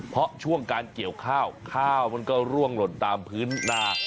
เพราะช่วงการเกี่ยวข้าวข้าวมันก็ร่วงหล่นตามพื้นหน้า